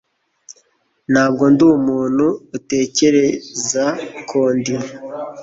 Ntabwo ndi umuntu utekereza ko ndi